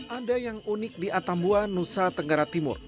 ada yang unik di atambua nusa tenggara timur